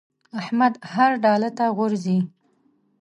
احمد هر ډاله ته غورځي.